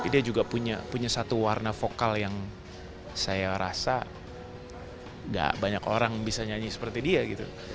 dia juga punya satu warna vokal yang saya rasa gak banyak orang bisa nyanyi seperti dia gitu